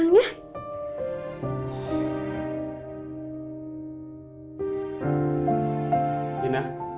satu dua tiga